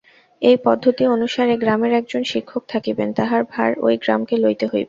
এই পদ্ধতি অনুসারে গ্রামে একজন শিক্ষক থাকিবেন, তাঁহার ভার ঐ গ্রামকে লইতে হইবে।